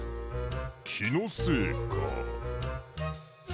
きのせいか。